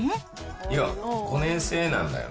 いや、５年制なんだよね。